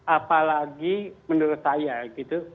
apalagi menurut saya gitu